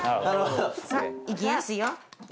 さあいきますよ。